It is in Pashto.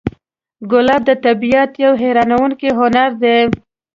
ګلاب د طبیعت یو حیرانوونکی هنر دی.